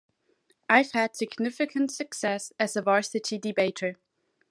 I've had significant success as a Varsity debater